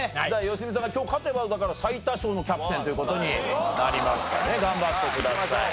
良純さんが今日勝てばだから最多勝のキャプテンという事になりますからね頑張ってください。